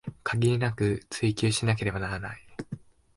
限りなく追求しなければならない